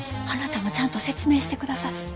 あなたもちゃんと説明してください。